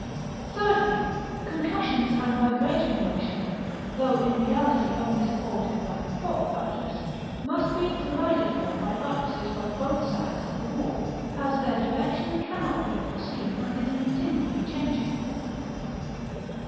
Thirdly: concussions and vibratory motion, though in reality only supported by the prop buttress, must be provided for by buttresses on both sides of the wall, as their direction cannot be foreseen, and is continually changing.